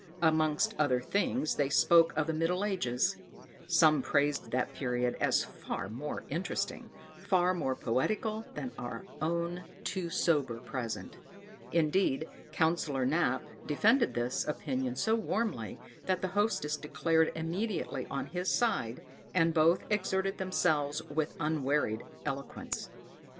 Amongst other things they spoke of the middle ages: some praised that period as far more interesting, far more poetical than our own too sober present; indeed Councillor Knap defended this opinion so warmly, that the hostess declared immediately on his side, and both exerted themselves with unwearied eloquence.